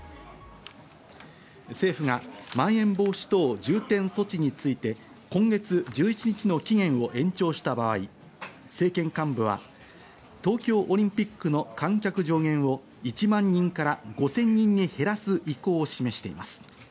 政府がまん延防止等重点措置について今月１１日の期限を延長した場合、政権幹部は東京オリンピックの観客上限を１万人から５０００人に減らす意向を示しています。